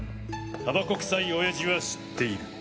タバコ臭いオヤジは知っている。